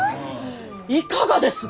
いかがです？